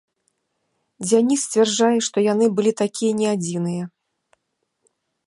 Дзяніс сцвярджае, што яны былі такія не адзіныя.